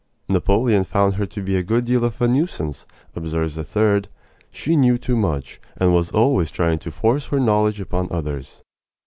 "Napoleon found her to be a good deal of a nuisance," observes a third. "She knew too much, and was always trying to force her knowledge upon others."